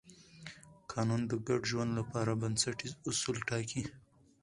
قانون د ګډ ژوند لپاره بنسټیز اصول ټاکي.